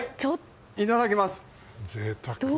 いただきます。